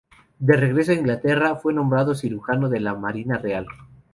De regreso a Inglaterra, fue nombrado cirujano de la marina real.